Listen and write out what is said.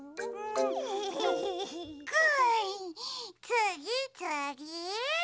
つぎつぎ！